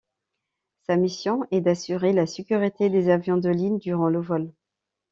Sa mission est d'assurer la sécurité des avions de ligne durant le vol.